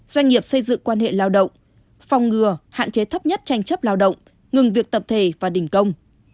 doanh nghiệp xây dựng quan hệ lao động phòng ngừa hạn chế thấp nhất tranh chấp lao động ngừng việc tập thể và đình công